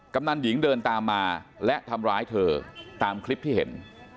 กำนันหญิงเดินตามมาและทำร้ายเธอตามคลิปที่เห็น